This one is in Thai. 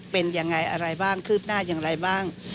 เป็นยังไงอะไรบ้างคืบหน้าอย่างไรบ้าง